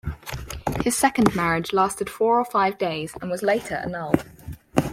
His second marriage lasted four or five days and was later annulled.